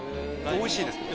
おいしいですけど。